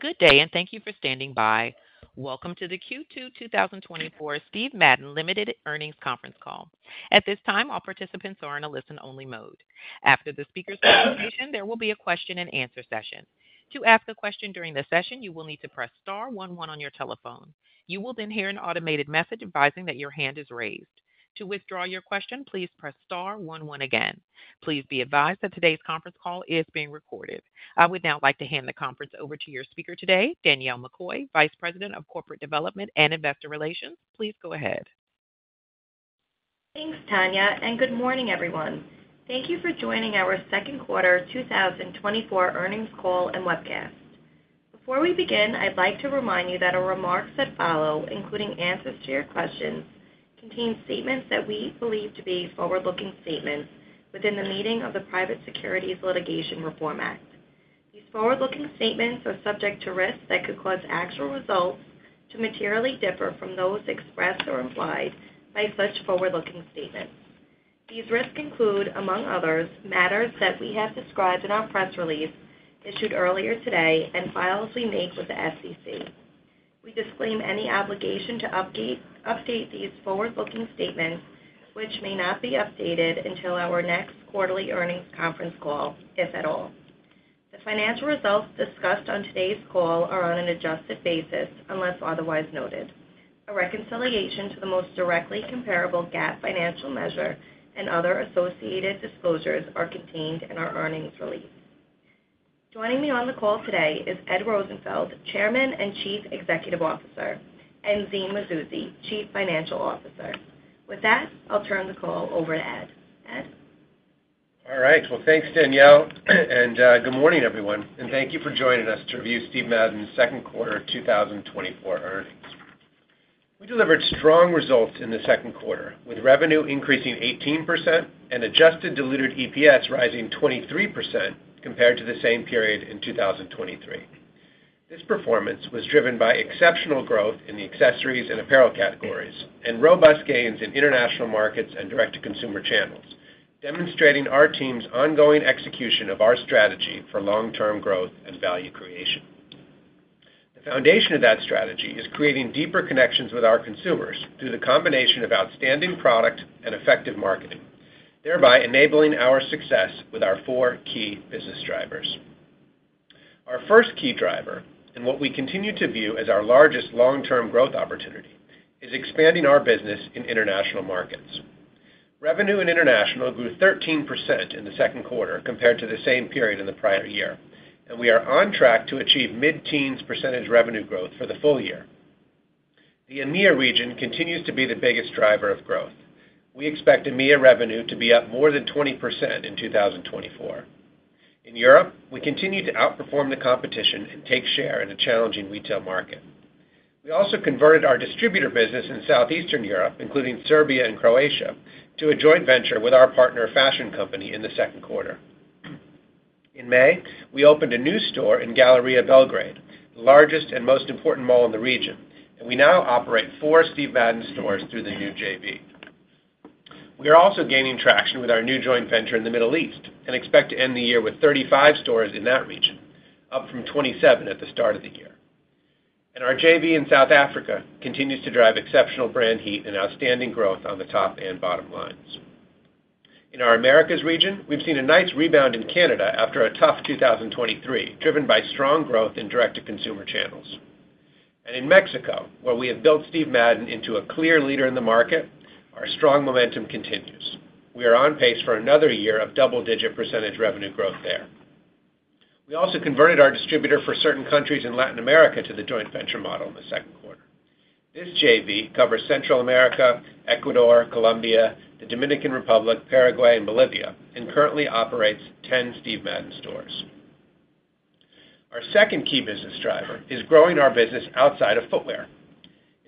Good day, and thank you for standing by. Welcome to the Q2 2024 Steve Madden Limited earnings conference call. At this time, all participants are in a listen-only mode. After the speaker's presentation, there will be a question-and-answer session. To ask a question during the session, you will need to press star one one on your telephone. You will then hear an automated message advising that your hand is raised. To withdraw your question, please press star one one again. Please be advised that today's conference call is being recorded. I would now like to hand the conference over to your speaker today, Danielle McCoy, Vice President of Corporate Development and investor relations. Please go ahead. Thanks, Tanya, and good morning, everyone. Thank you for joining our second quarter 2024 earnings call and webcast. Before we begin, I'd like to remind you that our remarks that follow, including answers to your questions, contain statements that we believe to be forward-looking statements within the meaning of the Private Securities Litigation Reform Act. These forward-looking statements are subject to risks that could cause actual results to materially differ from those expressed or implied by such forward-looking statements. These risks include, among others, matters that we have described in our press release issued earlier today and files we make with the SEC. We disclaim any obligation to update these forward-looking statements, which may not be updated until our next quarterly earnings conference call, if at all. The financial results discussed on today's call are on an adjusted basis, unless otherwise noted. A reconciliation to the most directly comparable GAAP financial measure and other associated disclosures are contained in our earnings release. Joining me on the call today is Ed Rosenfeld, Chairman and Chief Executive Officer, and Zine Mazouzi, Chief Financial Officer. With that, I'll turn the call over to Ed. Ed? All right. Well, thanks, Danielle, and good morning, everyone, and thank you for joining us to review Steve Madden's second quarter of 2024 earnings. We delivered strong results in the second quarter, with revenue increasing 18% and Adjusted Diluted EPS rising 23% compared to the same period in 2023. This performance was driven by exceptional growth in the accessories and apparel categories and robust gains in international markets and direct-to-consumer channels, demonstrating our team's ongoing execution of our strategy for long-term growth and value creation. The foundation of that strategy is creating deeper connections with our consumers through the combination of outstanding product and effective marketing, thereby enabling our success with our four key business drivers. Our first key driver, and what we continue to view as our largest long-term growth opportunity, is expanding our business in international markets. Revenue in international grew 13% in the second quarter compared to the same period in the prior year, and we are on track to achieve mid-teens% revenue growth for the full year. The EMEA region continues to be the biggest driver of growth. We expect EMEA revenue to be up more than 20% in 2024. In Europe, we continue to outperform the competition and take share in a challenging retail market. We also converted our distributor business in Southeastern Europe, including Serbia and Croatia, to a joint venture with our partner, Fashion Company, in the second quarter. In May, we opened a new store in Galleria Belgrade, the largest and most important mall in the region, and we now operate four Steve Madden stores through the new JV. We are also gaining traction with our new joint venture in the Middle East and expect to end the year with 35 stores in that region, up from 27 at the start of the year. Our JV in South Africa continues to drive exceptional brand heat and outstanding growth on the top and bottom lines. In our Americas region, we've seen a nice rebound in Canada after a tough 2023, driven by strong growth in direct-to-consumer channels. In Mexico, where we have built Steve Madden into a clear leader in the market, our strong momentum continues. We are on pace for another year of double-digit % revenue growth there. We also converted our distributor for certain countries in Latin America to the joint venture model in the second quarter. This JV covers Central America, Ecuador, Colombia, the Dominican Republic, Paraguay, and Bolivia, and currently operates 10 Steve Madden stores. Our second key business driver is growing our business outside of footwear.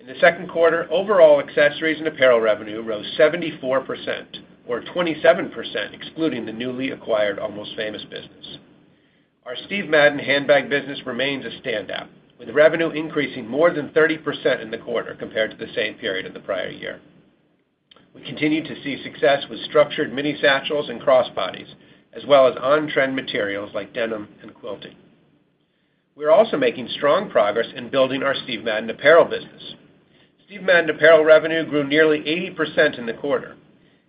In the second quarter, overall accessories and apparel revenue rose 74% or 27%, excluding the newly acquired Almost Famous business. Our Steve Madden handbag business remains a standout, with revenue increasing more than 30% in the quarter compared to the same period in the prior year. We continue to see success with structured mini satchels and crossbodies, as well as on-trend materials like denim and quilting. We are also making strong progress in building our Steve Madden apparel business. Steve Madden apparel revenue grew nearly 80% in the quarter,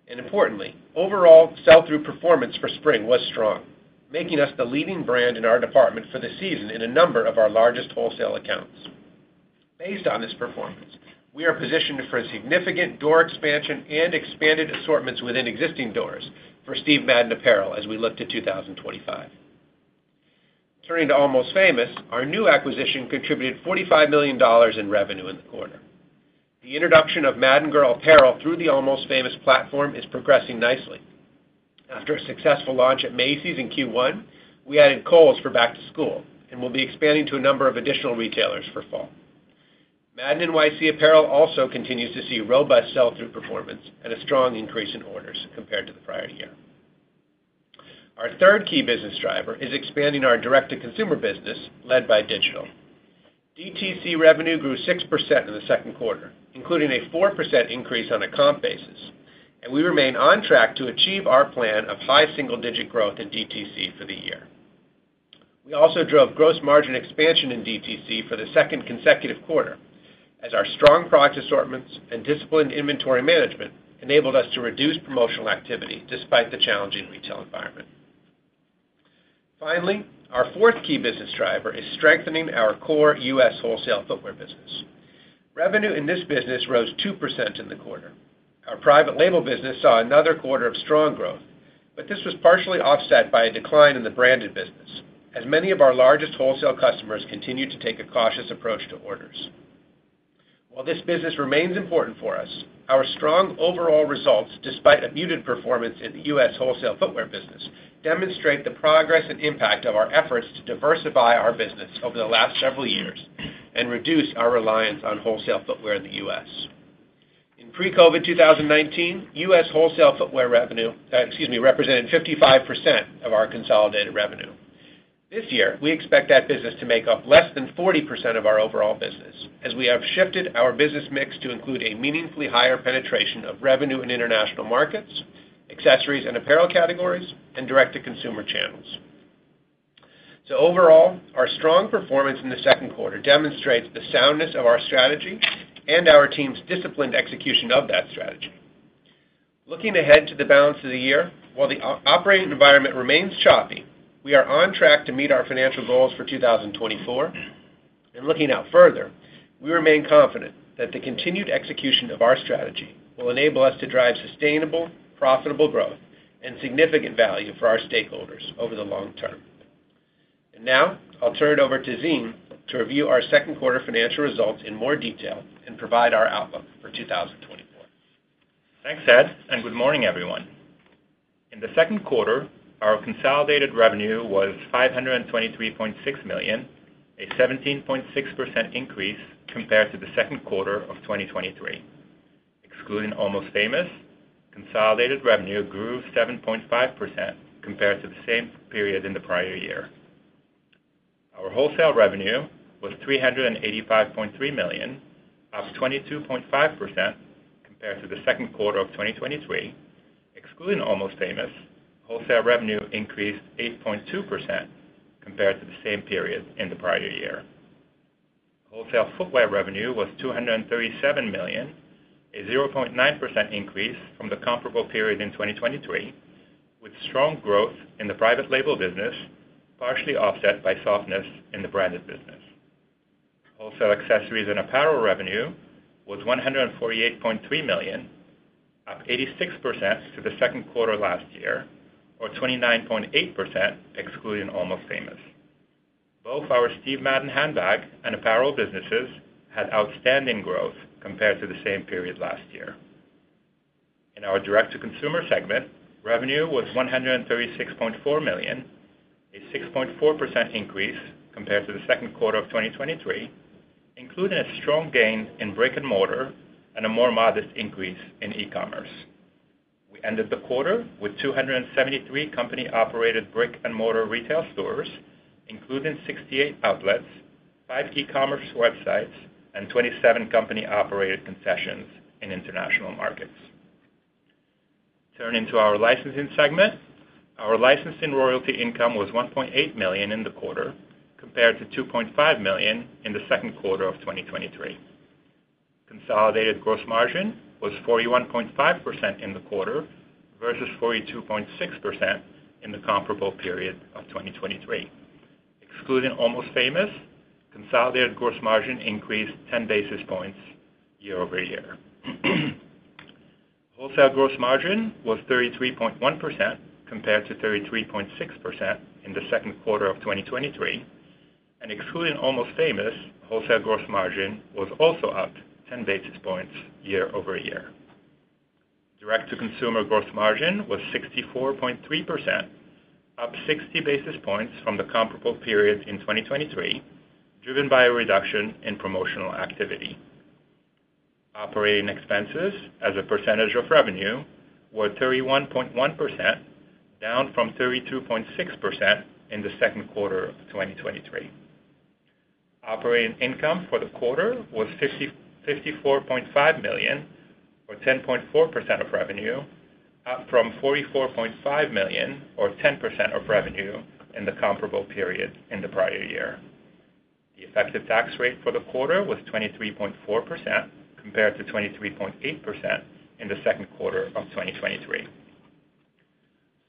and importantly, overall sell-through performance for spring was strong, making us the leading brand in our department for the season in a number of our largest wholesale accounts. Based on this performance, we are positioned for a significant door expansion and expanded assortments within existing doors for Steve Madden apparel as we look to 2025. Turning to Almost Famous, our new acquisition contributed $45 million in revenue in the quarter. The introduction of Madden Girl apparel through the Almost Famous platform is progressing nicely. After a successful launch at Macy's in Q1, we added Kohl's for back to school and will be expanding to a number of additional retailers for fall. Madden NYC apparel also continues to see robust sell-through performance and a strong increase in orders compared to the prior year. Our third key business driver is expanding our direct-to-consumer business, led by digital. DTC revenue grew 6% in the second quarter, including a 4% increase on a comp basis, and we remain on track to achieve our plan of high single-digit growth in DTC for the year. We also drove gross margin expansion in DTC for the second consecutive quarter, as our strong product assortments and disciplined inventory management enabled us to reduce promotional activity despite the challenging retail environment. Finally, our fourth key business driver is strengthening our core U.S. wholesale footwear business. Revenue in this business rose 2% in the quarter. Our private label business saw another quarter of strong growth, but this was partially offset by a decline in the branded business, as many of our largest wholesale customers continued to take a cautious approach to orders. While this business remains important for us, our strong overall results, despite a muted performance in the U.S. wholesale footwear business, demonstrate the progress and impact of our efforts to diversify our business over the last several years and reduce our reliance on wholesale footwear in the U.S. In pre-COVID, 2019, U.S. wholesale footwear revenue, excuse me, represented 55% of our consolidated revenue. This year, we expect that business to make up less than 40% of our overall business, as we have shifted our business mix to include a meaningfully higher penetration of revenue in international markets, accessories and apparel categories, and direct-to-consumer channels. So overall, our strong performance in the second quarter demonstrates the soundness of our strategy and our team's disciplined execution of that strategy. Looking ahead to the balance of the year, while the operating environment remains choppy, we are on track to meet our financial goals for 2024. Looking out further, we remain confident that the continued execution of our strategy will enable us to drive sustainable, profitable growth and significant value for our stakeholders over the long term. Now, I'll turn it over to Zine to review our second quarter financial results in more detail and provide our outlook for 2024. Thanks, Ed, and good morning, everyone. In the second quarter, our consolidated revenue was $523.6 million, a 17.6% increase compared to the second quarter of 2023. Excluding Almost Famous, consolidated revenue grew 7.5% compared to the same period in the prior year. Our wholesale revenue was $385.3 million, up 22.5% compared to the second quarter of 2023. Excluding Almost Famous, wholesale revenue increased 8.2% compared to the same period in the prior year. Wholesale footwear revenue was $237 million, a 0.9% increase from the comparable period in 2023, with strong growth in the private label business, partially offset by softness in the branded business. Wholesale accessories and apparel revenue was $148.3 million, up 86% to the second quarter last year, or 29.8%, excluding Almost Famous. Both our Steve Madden handbag and apparel businesses had outstanding growth compared to the same period last year. In our direct-to-consumer segment, revenue was $136.4 million, a 6.4% increase compared to the second quarter of 2023, including a strong gain in brick and mortar and a more modest increase in e-commerce. We ended the quarter with 273 company-operated brick-and-mortar retail stores, including 68 outlets, 5 e-commerce websites, and 27 company-operated concessions in international markets. Turning to our licensing segment, our licensing royalty income was $1.8 million in the quarter, compared to $2.5 million in the second quarter of 2023. Consolidated gross margin was 41.5% in the quarter, versus 42.6% in the comparable period of 2023. Excluding Almost Famous, consolidated gross margin increased 10 basis points year-over-year. Wholesale gross margin was 33.1% compared to 33.6% in the second quarter of 2023, and excluding Almost Famous, wholesale gross margin was also up 10 basis points year-over-year. Direct-to-consumer gross margin was 64.3%, up 60 basis points from the comparable period in 2023, driven by a reduction in promotional activity. Operating expenses as a percentage of revenue were 31.1%, down from 32.6% in the second quarter of 2023. Operating income for the quarter was $54.5 million, or 10.4% of revenue, up from $44.5 million, or 10% of revenue in the comparable period in the prior year. The effective tax rate for the quarter was 23.4%, compared to 23.8% in the second quarter of 2023.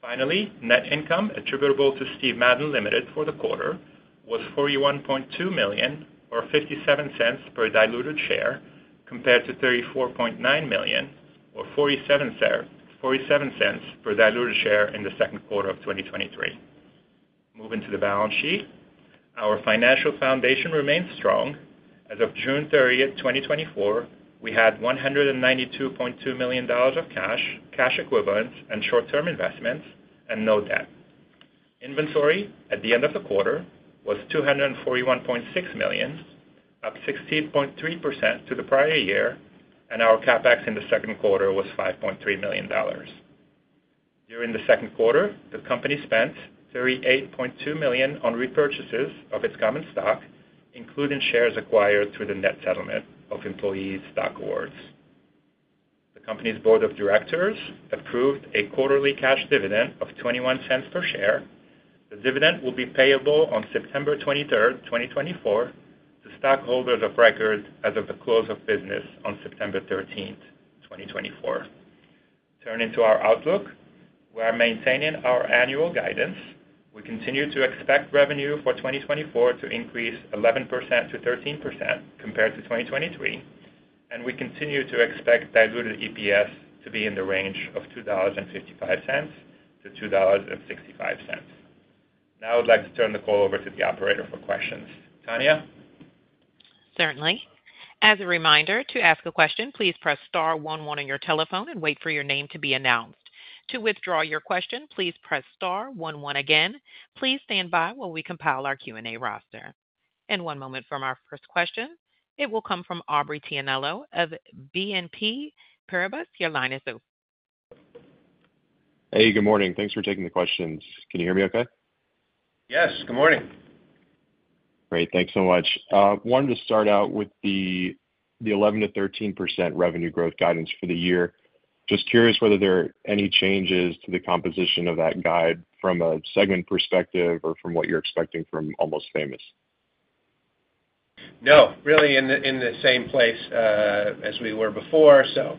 Finally, net income attributable to Steven Madden, Ltd. for the quarter was $41.2 million, or $0.57 per diluted share, compared to $34.9 million, or $0.47 per diluted share in the second quarter of 2023. Moving to the balance sheet. Our financial foundation remains strong. As of June 30th, 2024, we had $192.2 million of cash, cash equivalents, and short-term investments, and no debt. Inventory at the end of the quarter was $241.6 million, up 16.3% to the prior year, and our CapEx in the second quarter was $5.3 million. ...During the second quarter, the company spent $38.2 million on repurchases of its common stock, including shares acquired through the net settlement of employee stock awards. The company's board of directors approved a quarterly cash dividend of $0.21 per share. The dividend will be payable on September 23rd, 2024, to stockholders of record as of the close of business on September 13rd, 2024. Turning to our outlook, we are maintaining our annual guidance. We continue to expect revenue for 2024 to increase 11%-13% compared to 2023, and we continue to expect diluted EPS to be in the range of $2.55-$2.65. Now I would like to turn the call over to the operator for questions. Tanya? Certainly. As a reminder, to ask a question, please press star one one on your telephone and wait for your name to be announced. To withdraw your question, please press star one one again. Please stand by while we compile our Q&A roster. One moment from our first question. It will come from Aubrey Tianello of BNP Paribas. Your line is open. Hey, good morning. Thanks for taking the questions. Can you hear me okay? Yes, good morning. Great. Thanks so much. Wanted to start out with the eleven to thirteen percent revenue growth guidance for the year. Just curious whether there are any changes to the composition of that guide from a segment perspective or from what you're expecting from Almost Famous? No, really in the same place as we were before. So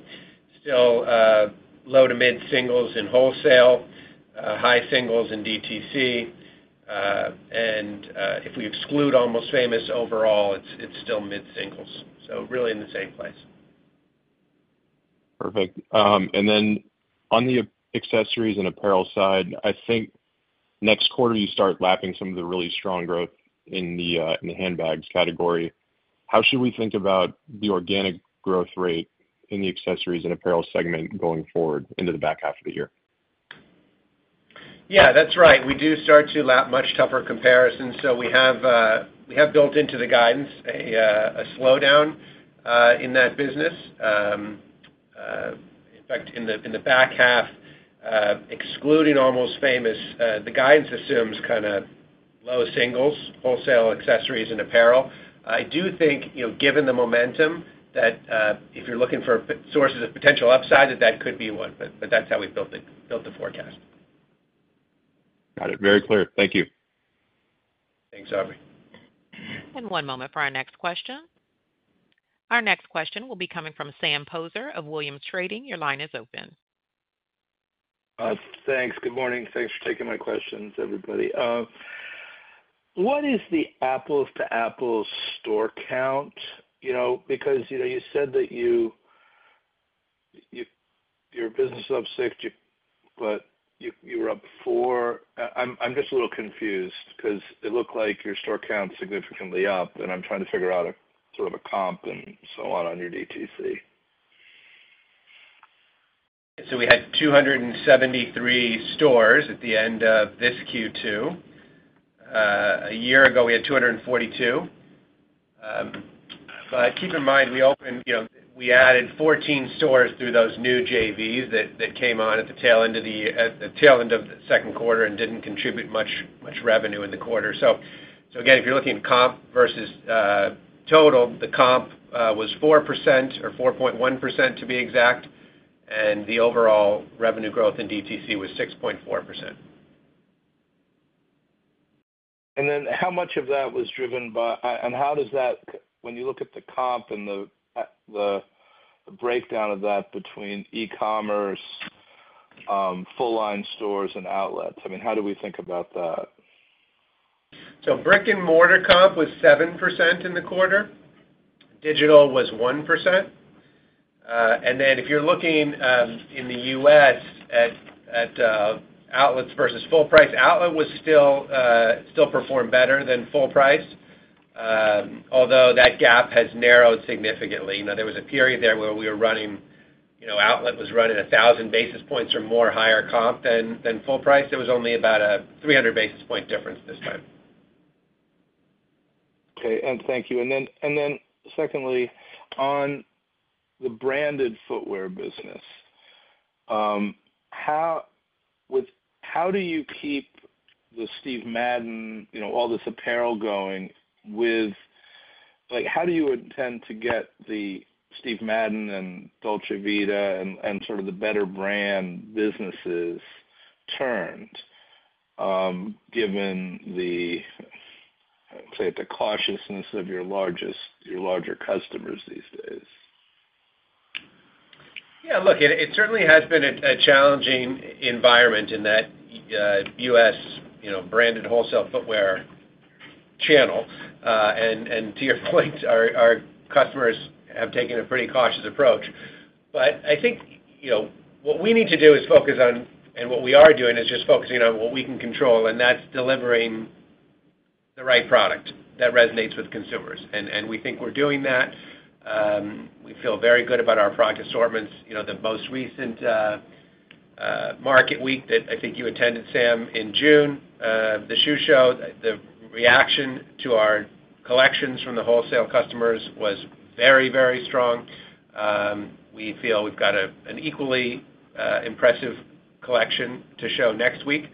still, low to mid singles in wholesale, high singles in DTC. And, if we exclude Almost Famous, overall, it's still mid singles, so really in the same place. Perfect. Then on the accessories and apparel side, I think next quarter, you start lapping some of the really strong growth in the handbags category. How should we think about the organic growth rate in the accessories and apparel segment going forward into the back half of the year? Yeah, that's right. We do start to lap much tougher comparisons. So we have, we have built into the guidance a, a slowdown, in that business. In the, in the back half, excluding Almost Famous, the guidance assumes kinda low singles, wholesale, accessories and apparel. I do think, you know, given the momentum, that, if you're looking for sources of potential upside, that that could be one, but, but that's how we built the, built the forecast. Got it. Very clear. Thank you. Thanks, Aubrey. One moment for our next question. Our next question will be coming from Sam Poser of Williams Trading. Your line is open. Thanks. Good morning. Thanks for taking my questions, everybody. What is the apples-to-apples store count? You know, because, you know, you said that you, your business is up 6, but you, you were up 4. I'm just a little confused because it looked like your store count is significantly up, and I'm trying to figure out sort of a comp and so on, on your DTC. So we had 273 stores at the end of this Q2. A year ago, we had 242. But keep in mind, we opened, you know, we added 14 stores through those new JVs that came on at the tail end of the tail end of the second quarter and didn't contribute much revenue in the quarter. So again, if you're looking at comp versus total, the comp was 4% or 4.1%, to be exact, and the overall revenue growth in DTC was 6.4%. And then how much of that was driven by, and how does that, when you look at the comp and the breakdown of that between e-commerce, full-line stores and outlets, I mean, how do we think about that? So brick-and-mortar comp was 7% in the quarter. Digital was 1%. And then if you're looking in the U.S. at outlets versus full price, outlet was still performed better than full price, although that gap has narrowed significantly. You know, there was a period there where we were running, you know, outlet was running 1,000 basis points or more higher comp than full price. It was only about a 300 basis point difference this time. Okay, and thank you. And then, secondly, on the branded footwear business, how do you keep the Steve Madden, you know, all this apparel going with... Like, how do you intend to get the Steve Madden and Dolce Vita and sort of the better brand businesses turned, given the, say, the cautiousness of your largest, your larger customers these days? Yeah, look, it certainly has been a challenging environment in that, U.S., you know, branded wholesale footwear channel. And to your point, our customers have taken a pretty cautious approach. But I think, you know, what we need to do is focus on, and what we are doing, is just focusing on what we can control, and that's delivering the right product that resonates with consumers. And we think we're doing that. We feel very good about our product assortments. You know, the most recent market week that I think you attended, Sam, in June, the shoe show, the reaction to our collections from the wholesale customers was very, very strong. We feel we've got an equally impressive collection to show next week.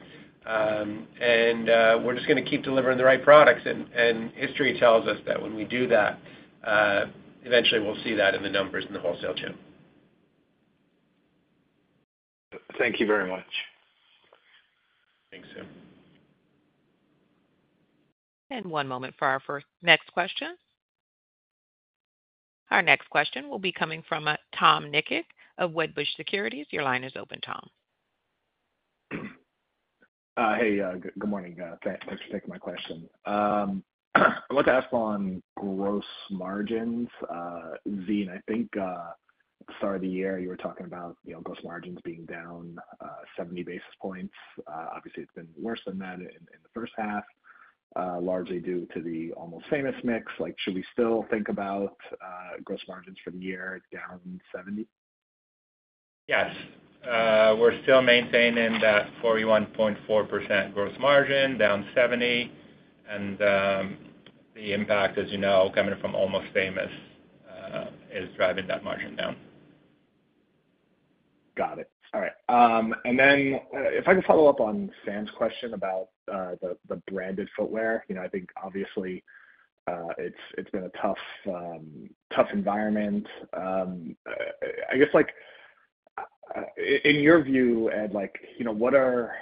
We're just gonna keep delivering the right products, and history tells us that when we do that, eventually we'll see that in the numbers in the wholesale chain. Thank you very much. Thanks, Tim. One moment for our next question. Our next question will be coming from Tom Nikic of Wedbush Securities. Your line is open, Tom. Hey, good morning. Thanks for taking my question. I'd like to ask on gross margins, Zine. I think, start of the year, you were talking about, you know, gross margins being down 70 basis points. Obviously, it's been worse than that in the first half, largely due to the Almost Famous mix. Like, should we still think about gross margins for the year down 70? Yes. We're still maintaining that 41.4% gross margin, down 70, and the impact, as you know, coming from Almost Famous, is driving that margin down. Got it. All right. And then, if I could follow up on Sam's question about the branded footwear. You know, I think obviously, it's been a tough, tough environment. I guess, like, in your view, Ed, like, you know, what are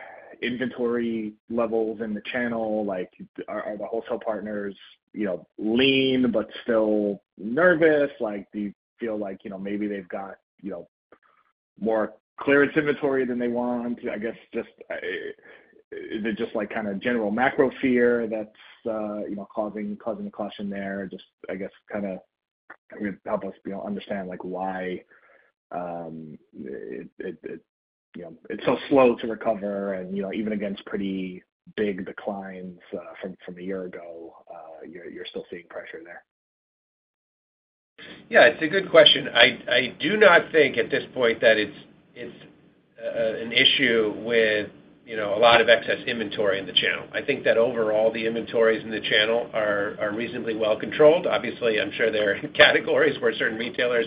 inventory levels in the channel? Like, are the wholesale partners, you know, lean but still nervous? Like, do you feel like, you know, maybe they've got, you know, more clearance inventory than they want? I guess just, is it just like kind of general macro fear that's, you know, causing the caution there? Just, I guess, kind of, I mean, help us, you know, understand, like why it, you know, it's so slow to recover, and, you know, even against pretty big declines from a year ago, you're still seeing pressure there. Yeah, it's a good question. I do not think at this point that it's an issue with, you know, a lot of excess inventory in the channel. I think that overall, the inventories in the channel are reasonably well controlled. Obviously, I'm sure there are categories where certain retailers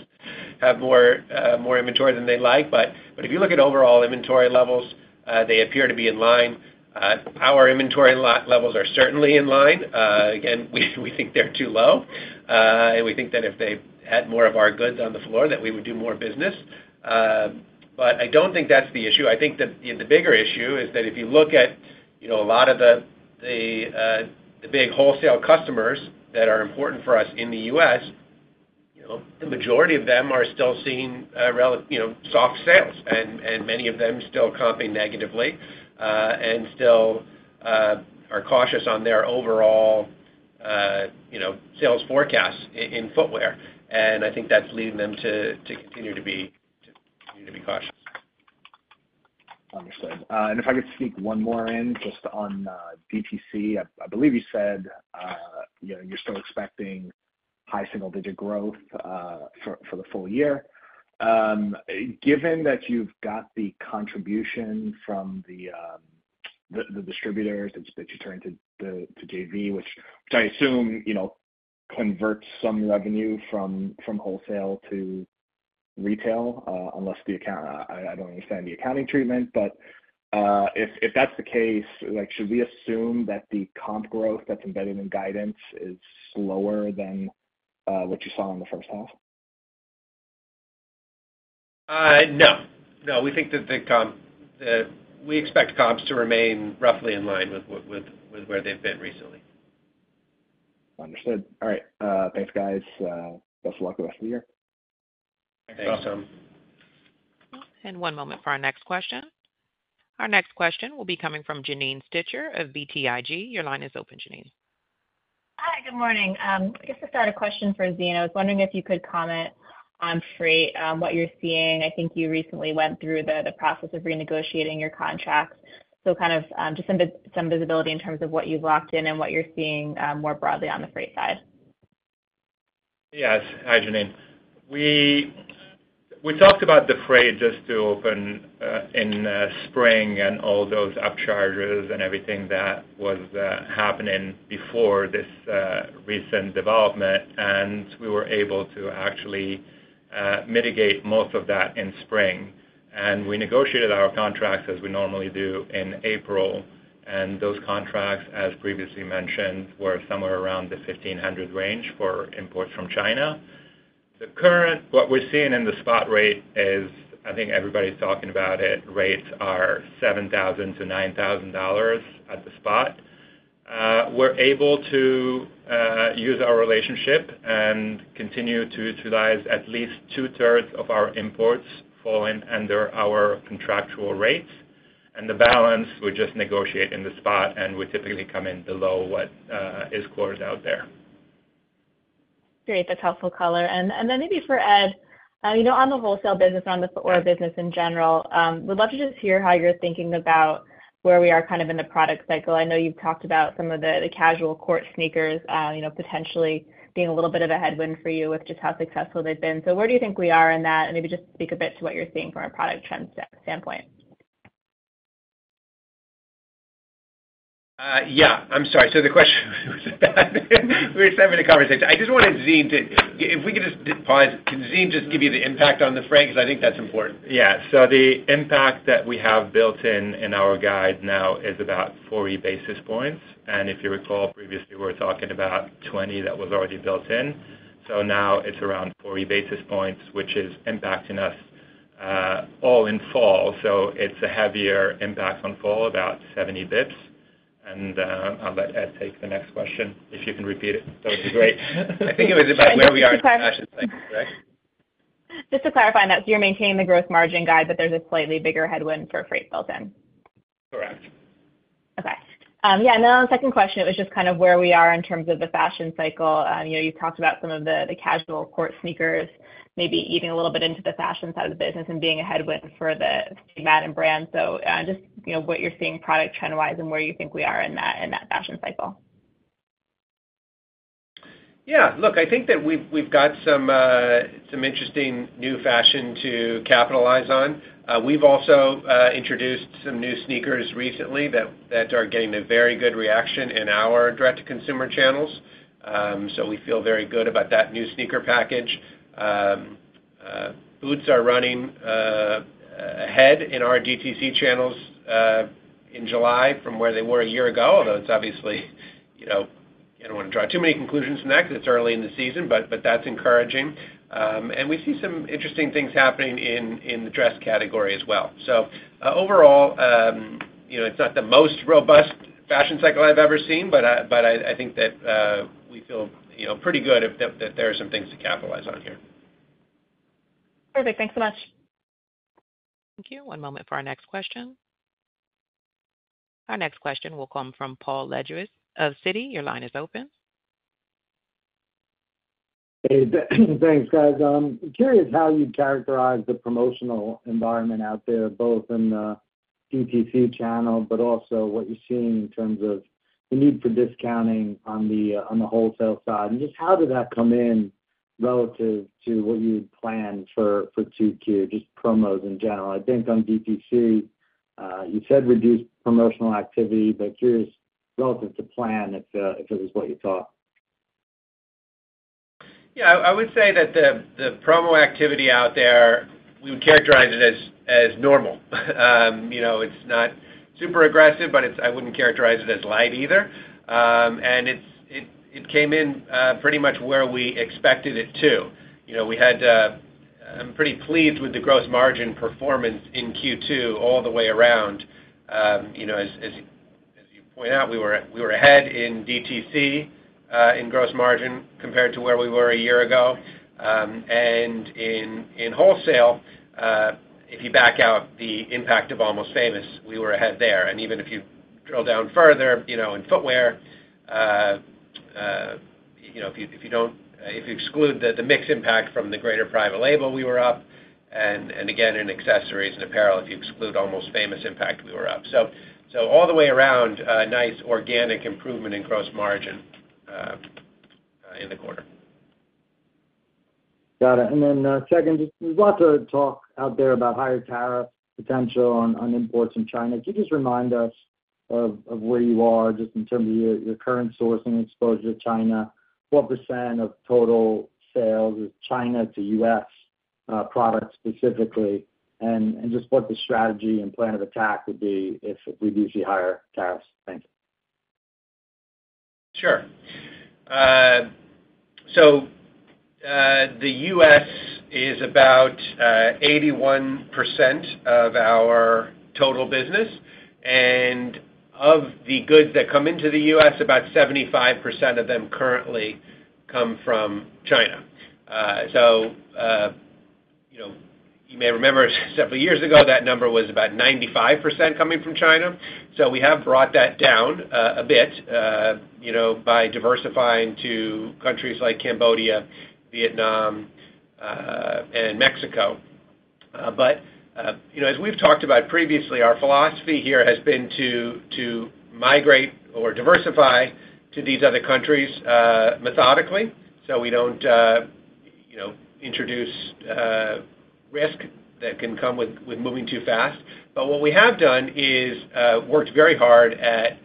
have more, more inventory than they like. But if you look at overall inventory levels, they appear to be in line. Our inventory levels are certainly in line. Again, we think they're too low. And we think that if they had more of our goods on the floor, that we would do more business. But I don't think that's the issue. I think that the bigger issue is that if you look at, you know, a lot of the big wholesale customers that are important for us in the U.S., you know, the majority of them are still seeing relatively soft sales, and many of them still comping negatively, and still are cautious on their overall, you know, sales forecast in footwear. And I think that's leading them to continue to be cautious. Understood. If I could sneak one more in just on DTC. I believe you said, you know, you're still expecting high single digit growth for the full year. Given that you've got the contribution from the distributors that you're turning to JV, which I assume, you know, converts some revenue from wholesale to retail, unless the account... I don't understand the accounting treatment. If that's the case, like, should we assume that the comp growth that's embedded in guidance is slower than what you saw in the first half? No. No, we think that we expect comps to remain roughly in line with where they've been recently. Understood. All right. Thanks, guys. Best of luck the rest of the year. Thanks, Tom. One moment for our next question. Our next question will be coming from Janine Stichter of BTIG. Your line is open, Janine. Hi, good morning. Just to start, a question for Zine. I was wondering if you could comment on freight, what you're seeing. I think you recently went through the process of renegotiating your contracts. So kind of, just some visibility in terms of what you've locked in and what you're seeing, more broadly on the freight side. Yes. Hi, Janine. We, we talked about the freight just to open, in, spring and all those up charges and everything that was, happening before this, recent development, and we were able to actually, mitigate most of that in spring. And we negotiated our contracts as we normally do in April, and those contracts, as previously mentioned, were somewhere around the 1,500 range for imports from China. The current, what we're seeing in the spot rate is, I think everybody's talking about it, rates are $7,000-$9,000 at the spot. We're able to, use our relationship and continue to utilize at least 2/3 of our imports falling under our contractual rates, and the balance we just negotiate in the spot, and we typically come in below what, is closed out there. Great, that's helpful color. And then maybe for Ed, you know, on the wholesale business, on the footwear business in general, would love to just hear how you're thinking about where we are kind of in the product cycle. I know you've talked about some of the casual court sneakers, you know, potentially being a little bit of a headwind for you with just how successful they've been. So where do you think we are in that? And maybe just speak a bit to what you're seeing from a product trend standpoint. Yeah, I'm sorry. So the question was that we were just having a conversation. I just wanted Zine to—if we could just pause, can Zine just give you the impact on the freight? Because I think that's important. Yeah. So the impact that we have built in, in our guide now is about 40 basis points. And if you recall, previously, we were talking about 20 that was already built in. So now it's around 40 basis points, which is impacting us all in fall. So it's a heavier impact on fall, about 70 basis points. And, I'll let Ed take the next question. If you can repeat it, that would be great. I think it was about where we are in the fashion cycle, correct? Just to clarify that, so you're maintaining the gross margin guide, but there's a slightly bigger headwind for freight built in? Correct. Okay. Yeah, and then on the second question, it was just kind of where we are in terms of the fashion cycle. You know, you've talked about some of the casual court sneakers, maybe even a little bit into the fashion side of the business and being a headwind for the Madden brand. So, just, you know, what you're seeing product trend-wise and where you think we are in that fashion cycle. Yeah, look, I think that we've got some interesting new fashion to capitalize on. We've also introduced some new sneakers recently that are getting a very good reaction in our direct-to-consumer channels. So we feel very good about that new sneaker package. Boots are running ahead in our DTC channels in July from where they were a year ago, although it's obviously, you know, I don't want to draw too many conclusions from that 'cause it's early in the season, but that's encouraging. And we see some interesting things happening in the dress category as well. So, overall, you know, it's not the most robust fashion cycle I've ever seen, but I think that we feel, you know, pretty good that there are some things to capitalize on here. Perfect. Thanks so much. Thank you. One moment for our next question. Our next question will come from Paul Lejuez of Citi. Your line is open. Hey, thanks, guys. Curious how you'd characterize the promotional environment out there, both in the DTC channel, but also what you're seeing in terms of the need for discounting on the wholesale side. And just how did that come in relative to what you had planned for Q2, just promos in general? I think on DTC, you said reduced promotional activity, but curious relative to plan, if it was what you thought. Yeah, I would say that the promo activity out there, we would characterize it as normal. You know, it's not super aggressive, but it's—I wouldn't characterize it as light either. And it came in pretty much where we expected it to. You know, I'm pretty pleased with the gross margin performance in Q2 all the way around. You know, as you point out, we were ahead in DTC in gross margin compared to where we were a year ago. And in wholesale, if you back out the impact of Almost Famous, we were ahead there. Even if you drill down further, you know, in footwear, if you exclude the mix impact from the greater private label, we were up. And again, in accessories and apparel, if you exclude Almost Famous impact, we were up. So all the way around, a nice organic improvement in gross margin in the quarter. Got it. And then, second, just there's lots of talk out there about higher tariff potential on imports in China. Could you just remind us of where you are just in terms of your current sourcing exposure to China? What % of total sales is China to U.S. products specifically? And just what the strategy and plan of attack would be if we do see higher tariffs. Thank you. Sure. So, the U.S. is about 81% of our total business, and of the goods that come into the U.S., about 75% of them currently come from China. So, you know, you may remember several years ago, that number was about 95% coming from China. So we have brought that down a bit, you know, by diversifying to countries like Cambodia, Vietnam, and Mexico. But, you know, as we've talked about previously, our philosophy here has been to migrate or diversify to these other countries methodically, so we don't, you know, introduce risk that can come with moving too fast. But what we have done is, worked very hard at,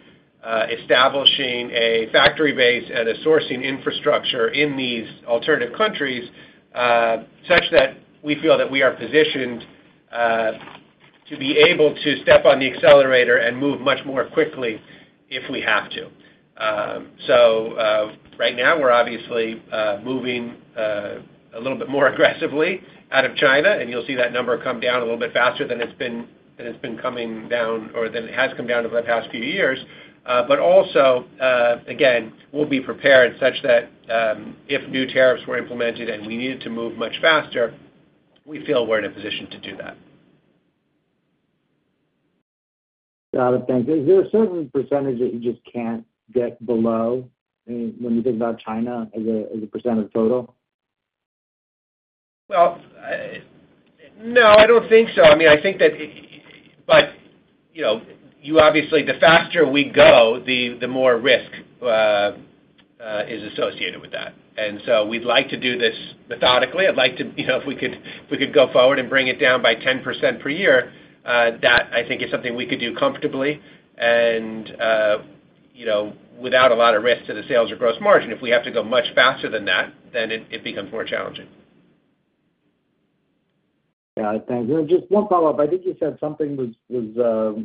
establishing a factory base and a sourcing infrastructure in these alternative countries, such that we feel that we are positioned, to be able to step on the accelerator and move much more quickly if we have to. So, right now we're obviously, moving, a little bit more aggressively out of China, and you'll see that number come down a little bit faster than it's been, than it's been coming down or than it has come down over the past few years. But also, again, we'll be prepared such that, if new tariffs were implemented and we needed to move much faster, we feel we're in a position to do that. Got it. Thank you. Is there a certain percentage that you just can't get below when you think about China as a percent of total? Well, no, I don't think so. I mean, I think that... But, you know, you obviously, the faster we go, the more risk is associated with that. And so we'd like to do this methodically. I'd like to, you know, if we could go forward and bring it down by 10% per year, that I think is something we could do comfortably and, you know, without a lot of risk to the sales or gross margin. If we have to go much faster than that, then it becomes more challenging. Yeah, thanks. Just one follow-up. I think you said something was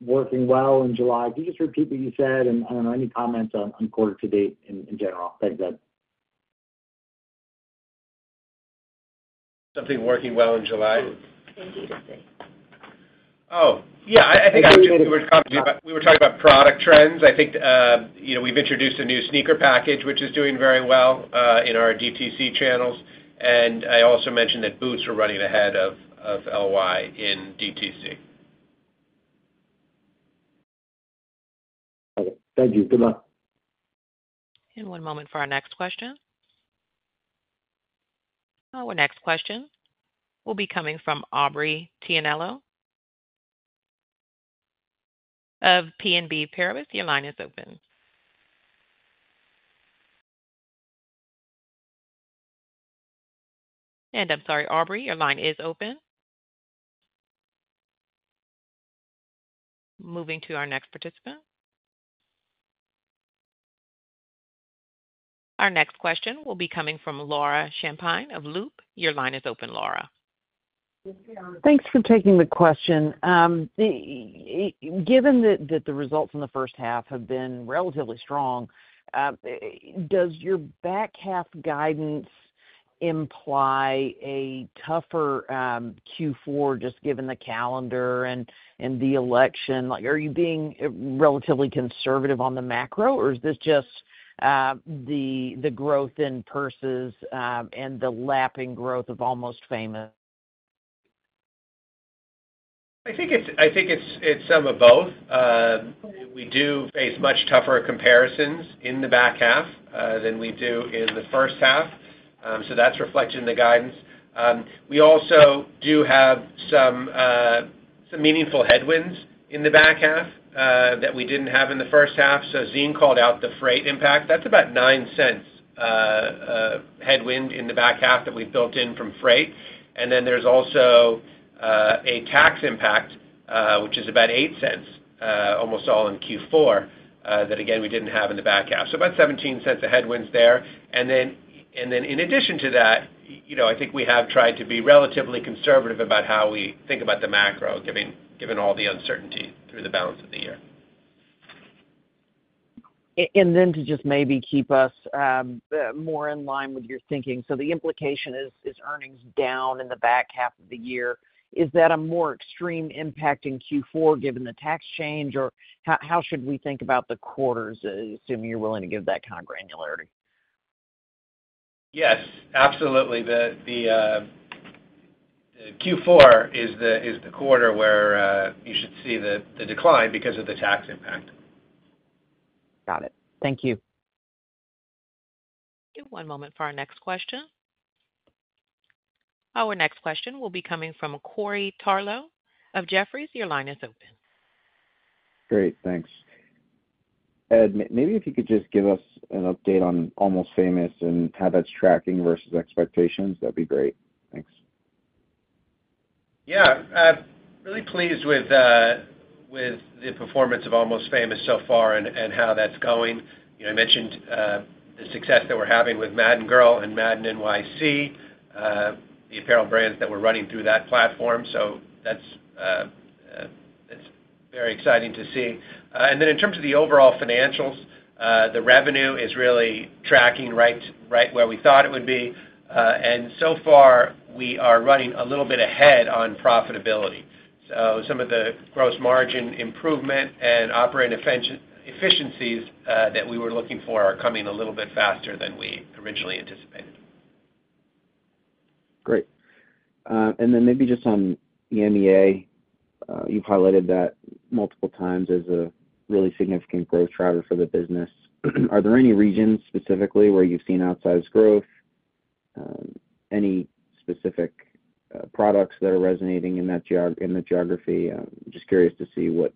working well in July. Could you just repeat what you said? And I don't know, any comments on quarter to date in general? Thanks, Ed. Something working well in July? In DTC. Oh, yeah. I think we were talking about, we were talking about product trends. I think, you know, we've introduced a new sneaker package, which is doing very well in our DTC channels, and I also mentioned that boots were running ahead of LY in DTC. Okay. Thank you. Good luck. One moment for our next question. Our next question will be coming from Aubrey Tianello of BNP Paribas. Your line is open. I'm sorry, Aubrey, your line is open. Moving to our next participant. Our next question will be coming from Laura Champine of Loop Capital. Your line is open, Laura. Thanks for taking the question. Given that the results in the first half have been relatively strong, does your back half guidance imply a tougher Q4, just given the calendar and the election? Like, are you being relatively conservative on the macro, or is this just the growth in purses and the lapping growth of Almost Famous? I think it's some of both. We do face much tougher comparisons in the back half than we do in the first half. So that's reflected in the guidance. We also do have some meaningful headwinds in the back half that we didn't have in the first half. So Zine called out the freight impact. That's about $0.09 headwind in the back half that we've built in from freight. And then there's also a tax impact which is about $0.08 almost all in Q4 that again we didn't have in the back half. So about $0.17 of headwinds there. And then in addition to that, you know, I think we have tried to be relatively conservative about how we think about the macro, given all the uncertainty through the balance of the year. And then to just maybe keep us more in line with your thinking. So the implication is earnings down in the back half of the year. Is that a more extreme impact in Q4, given the tax change, or how should we think about the quarters, assuming you're willing to give that kind of granularity? Yes, absolutely. The Q4 is the quarter where you should see the decline because of the tax impact. Got it. Thank you. One moment for our next question. Our next question will be coming from Corey Tarlowe of Jefferies. Your line is open. Great, thanks. Ed, maybe if you could just give us an update on Almost Famous and how that's tracking versus expectations, that'd be great. Thanks. Yeah. Really pleased with the performance of Almost Famous so far and how that's going. You know, I mentioned the success that we're having with Madden Girl and Madden NYC, the apparel brands that we're running through that platform. So that's very exciting to see. And then in terms of the overall financials, the revenue is really tracking right where we thought it would be. And so far, we are running a little bit ahead on profitability. So some of the gross margin improvement and operating efficiencies that we were looking for are coming a little bit faster than we originally anticipated. Great. And then maybe just on EMEA, you've highlighted that multiple times as a really significant growth driver for the business. Are there any regions specifically where you've seen outsized growth? Any specific products that are resonating in that geography? Just curious to see what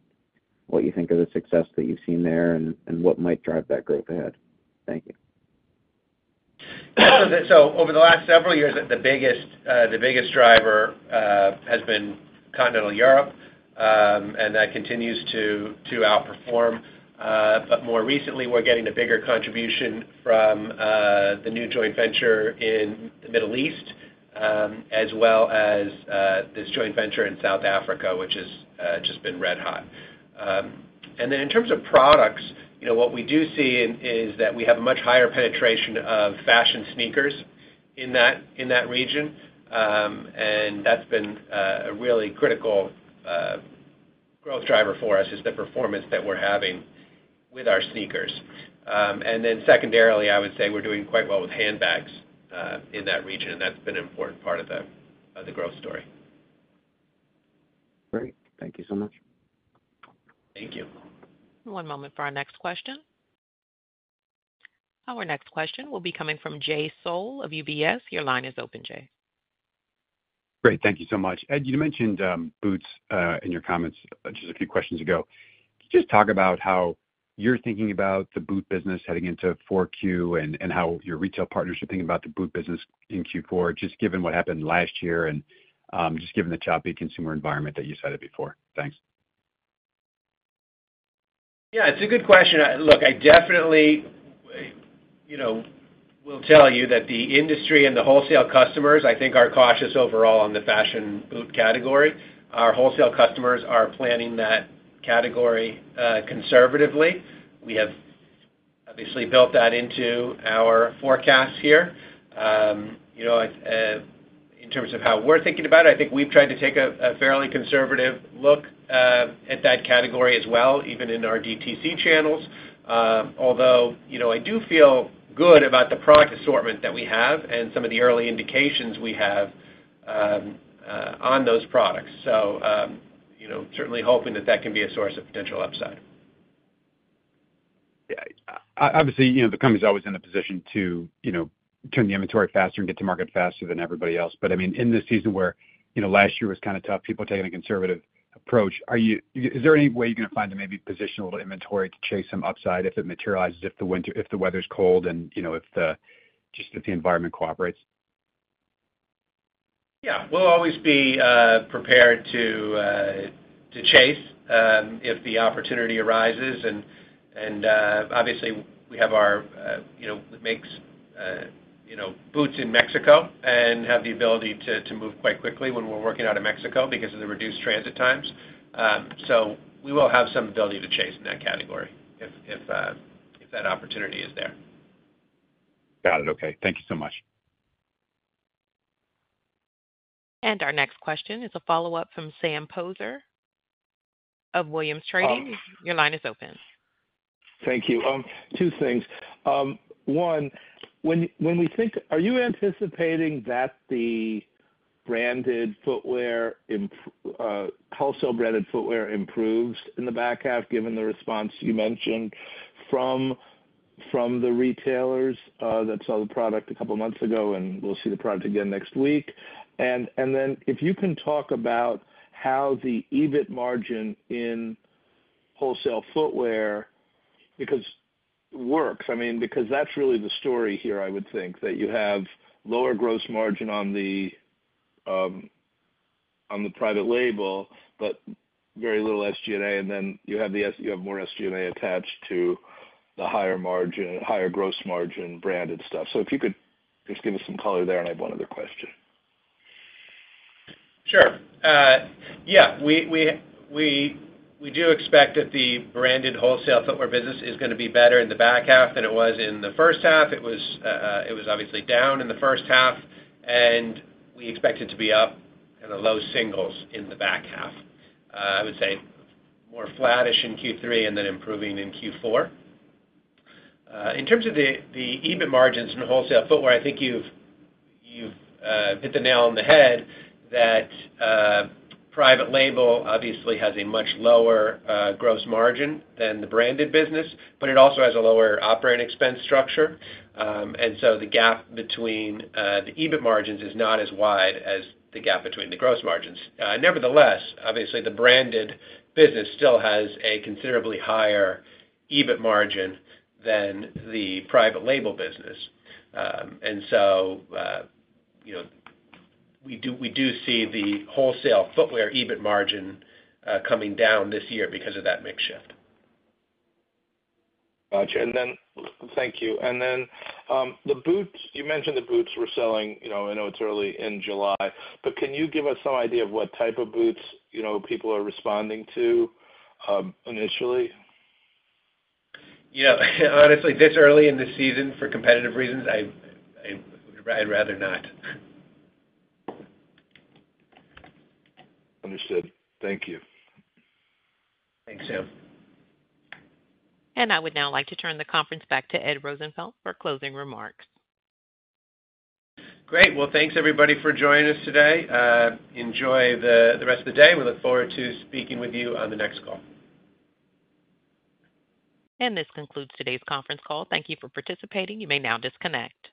you think of the success that you've seen there and what might drive that growth ahead. Thank you. So over the last several years, the biggest driver has been Continental Europe, and that continues to outperform. But more recently, we're getting a bigger contribution from the new joint venture in the Middle East, as well as this joint venture in South Africa, which has just been red hot. And then in terms of products, you know, what we do see is that we have a much higher penetration of fashion sneakers in that region. And that's been a really critical growth driver for us, is the performance that we're having with our sneakers. And then secondarily, I would say we're doing quite well with handbags in that region, and that's been an important part of the growth story. Great. Thank you so much. Thank you. One moment for our next question. Our next question will be coming from Jay Sole of UBS. Your line is open, Jay.... Great. Thank you so much. Ed, you mentioned boots in your comments just a few questions ago. Could you just talk about how you're thinking about the boot business heading into 4Q and how your retail partners are thinking about the boot business in Q4, just given what happened last year and just given the choppy consumer environment that you cited before? Thanks. Yeah, it's a good question. Look, I definitely, you know, will tell you that the industry and the wholesale customers, I think, are cautious overall on the fashion boot category. Our wholesale customers are planning that category conservatively. We have obviously built that into our forecast here. You know, in terms of how we're thinking about it, I think we've tried to take a fairly conservative look at that category as well, even in our DTC channels. Although, you know, I do feel good about the product assortment that we have and some of the early indications we have on those products. So, you know, certainly hoping that that can be a source of potential upside. Yeah. Obviously, you know, the company's always in a position to, you know, turn the inventory faster and get to market faster than everybody else. But I mean, in this season where, you know, last year was kind of tough, people taking a conservative approach, is there any way you're gonna find to maybe position a little inventory to chase some upside if it materializes, if the weather's cold and, you know, if the, just if the environment cooperates? Yeah. We'll always be prepared to chase if the opportunity arises. And obviously, we have our, you know, makes, you know, boots in Mexico and have the ability to move quite quickly when we're working out of Mexico because of the reduced transit times. So we will have some ability to chase in that category if that opportunity is there. Got it. Okay, thank you so much. Our next question is a follow-up from Sam Poser of Williams Trading. Your line is open. Thank you. Two things. One, when we think—are you anticipating that the branded footwear, wholesale branded footwear improves in the back half, given the response you mentioned from the retailers that saw the product a couple months ago, and we'll see the product again next week? And then if you can talk about how the EBIT margin in wholesale footwear works, because that's really the story here, I mean, because I would think that you have lower gross margin on the private label, but very little SG&A, and then you have more SG&A attached to the higher margin, higher gross margin branded stuff. So if you could just give us some color there, and I have one other question. Sure. Yeah, we do expect that the branded wholesale footwear business is gonna be better in the back half than it was in the first half. It was obviously down in the first half, and we expect it to be up in the low singles in the back half. I would say more flattish in Q3 and then improving in Q4. In terms of the EBIT margins in the wholesale footwear, I think you've hit the nail on the head, that private label obviously has a much lower gross margin than the branded business, but it also has a lower operating expense structure. And so the gap between the EBIT margins is not as wide as the gap between the gross margins. Nevertheless, obviously, the branded business still has a considerably higher EBIT margin than the private label business. And so, you know, we do, we do see the wholesale footwear EBIT margin coming down this year because of that mix shift. Gotcha. And then, thank you. And then, the boots, you mentioned the boots were selling, you know, I know it's early in July, but can you give us some idea of what type of boots, you know, people are responding to, initially? Yeah. Honestly, this early in the season, for competitive reasons, I'd rather not. Understood. Thank you. Thanks, Sam. I would now like to turn the conference back to Ed Rosenfeld for closing remarks. Great. Well, thanks everybody for joining us today. Enjoy the rest of the day. We look forward to speaking with you on the next call. This concludes today's conference call. Thank you for participating. You may now disconnect.